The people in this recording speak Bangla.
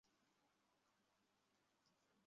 যদি জমজ বাচ্চা হয়, তাহলে টাকা দ্বিগুণ পাব না?